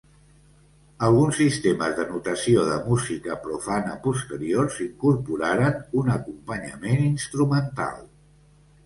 Alguns sistemes de notació de música profana posteriors incorporaren un acompanyament instrumental.